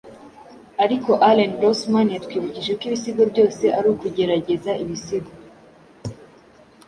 ariko Allen Grossman yatwibukije ko ibisigo byose ari kugerageza ibisigo